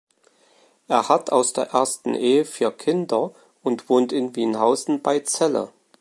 Er hat aus der ersten Ehe vier Kinder und wohnt in Wienhausen bei Celle.